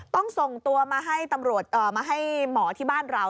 ต้องส่งตัวมาให้หมอที่บ้านเรา